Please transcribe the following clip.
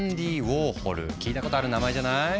聞いたことある名前じゃない？